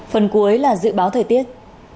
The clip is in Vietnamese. phần cuối là dự báo thời tiết